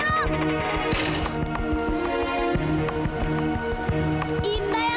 ah aku baru letak